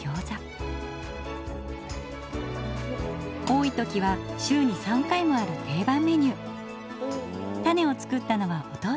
多い時は週に３回もある定番メニュー。